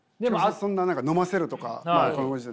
そんな何か飲ませるとかまあこのご時世